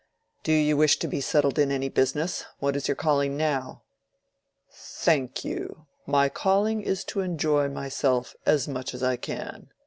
"Do you wish to be settled in any business? What is your calling now?" "Thank you, my calling is to enjoy myself as much as I can.